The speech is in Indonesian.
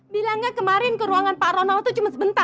bilangnya kemarin ke ruangan pak ronaldo itu cuma sebentar